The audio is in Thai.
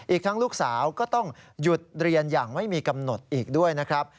อีกทั้งลูกสาวก็ต้องหยุดเรียนอย่างไม่มีกำหนดอีกด้วยนะครับ